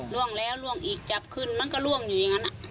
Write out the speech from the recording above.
ล่วงแล้วล่วงอีกจับขึ้นมันก็ล่วงอยู่อย่างนั้น